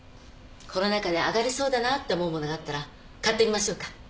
この中で上がりそうだなって思うものがあったら買ってみましょうか。